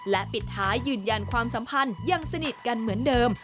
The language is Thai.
และปิดท้ายยืนยันความสัมพันธ์ยังสนิทกันเหมือนเดิม